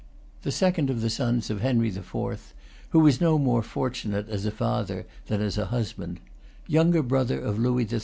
The second of the sons of Henry IV., who was no more fortunate as a father than as a husband, younger brother of Louis XIII.